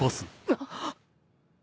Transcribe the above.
あっ。